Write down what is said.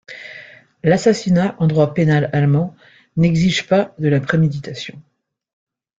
L’assassinat en droit pénal allemand n'exige pas de la préméditation.